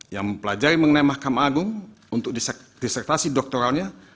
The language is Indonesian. yang mempelajari mengenai mahkamah agung untuk disertasi doktoralnya